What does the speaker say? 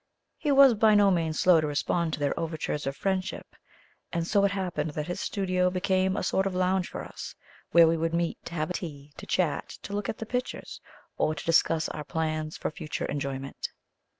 He was by no means slow to respond to their overtures of friendship, and so it happened that his studio became a sort of lounge for us, where we would meet to have tea, to chat, to look at the pictures, or to discuss our plans for future enjoyment.